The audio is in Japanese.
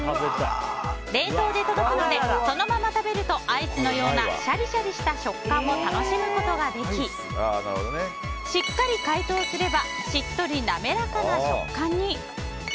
冷凍で届くのでそのまま食べるとアイスのようなシャリシャリした食感も楽しむことができしっかり解凍すればしっとり滑らかな食感に。